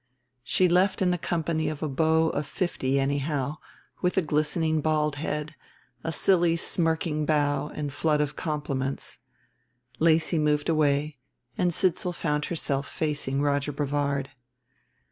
She left in the company of a beau of fifty anyhow, with a glistening bald head, a silly smirking bow and flood of compliments. Lacy moved away and Sidsall found herself facing Roger Brevard.